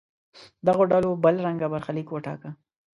دغو ډلو بل رنګه برخلیک وټاکه.